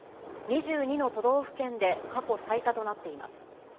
２２の都道府県で過去最多となっています。